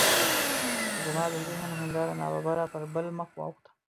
زما د ذهن هنداره ناببره پر بل مخ واوښته.